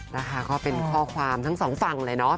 นะคะก็เป็นข้อความทั้งสองฝั่งเลยเนาะ